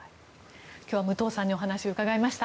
今日は武藤さんにお話を伺いました。